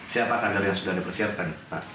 siapa kadar yang sudah dipersiapkan pak